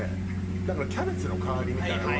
だからキャベツの代わりみたいなもんよね。